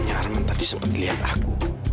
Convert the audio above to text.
yang arman tadi seperti lihat aku